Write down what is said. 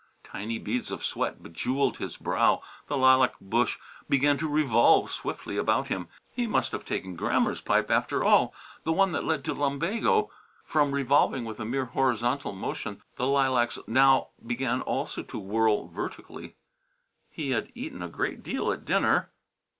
Tiny beads of sweat bejewelled his brow, the lilac bush began to revolve swiftly about him. He must have taken Grammer's pipe after all the one that led to lumbago. From revolving with a mere horizontal motion the lilacs now began also to whirl vertically. He had eaten a great deal at dinner....